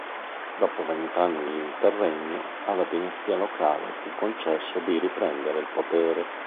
Dopo vent'anni di interregno, alla dinastia locale fu concesso di riprendere il potere.